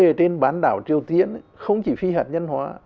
vấn đề trên bán đảo triều tiên không chỉ phi hạt nhân hóa